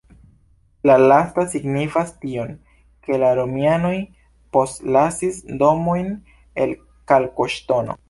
La lasta signifas tion, ke la romianoj postlasis domojn el kalkoŝtono.